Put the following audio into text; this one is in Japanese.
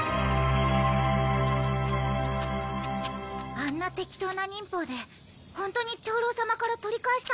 あんな適当な忍法でホントに長老様から取り返したんだな。